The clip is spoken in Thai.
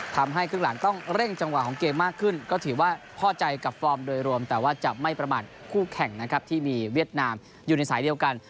ทำให้ครึ่งหลังต้องเร่งจังหวะของเกมมากขึ้นก็ถือว่าพ่อใจกับฟอร์มโดยรวมแต่ว่าจะไม่ประมาทคู่แข่งนะครับที่มีเวียดนามอยู่ในสายเดียวกัน